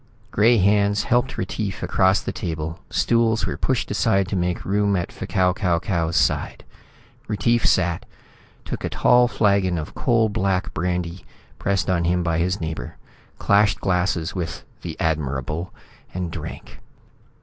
Gray hands helped Retief across the table, stools were pushed aside to make room at F'Kau Kau Kau's side. Retief sat, took a tall flagon of coal black brandy pressed on him by his neighbor, clashed glasses with The Admirable and drank.